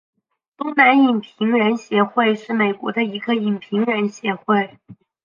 东南影评人协会是美国的一个影评人协会。